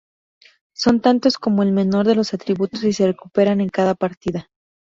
Son tantos como el menor de los atributos y se recuperan en cada partida.